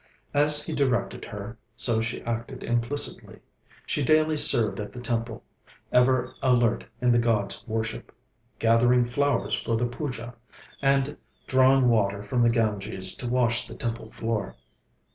As he directed her, so she acted implicitly. She daily served at the temple ever alert in the god's worship gathering flowers for the puja, and drawing water from the Ganges to wash the temple floor.